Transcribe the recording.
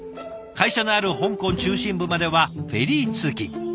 会社のある香港中心部まではフェリー通勤。